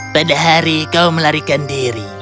pada hari kau melarikan diri